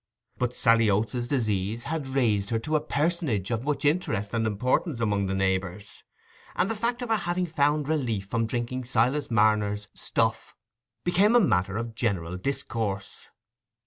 But Sally Oates's disease had raised her into a personage of much interest and importance among the neighbours, and the fact of her having found relief from drinking Silas Marner's "stuff" became a matter of general discourse.